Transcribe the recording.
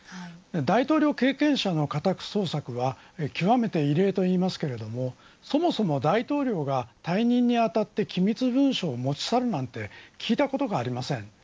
大統領経験者の家宅捜索は極めて異例と言いますけれどそもそも大統領が退任にあたって機密文書を持ち去るなんて聞いたことがありません。